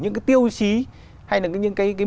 những cái tiêu chí hay là những cái